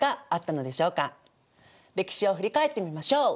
歴史を振り返ってみましょう。